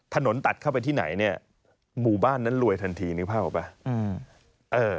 ถนนตัดเข้าไปที่ไหนหมู่บ้านนั้นรวยทันทีนึกภาพเหรอเปล่า